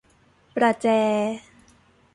ประแจ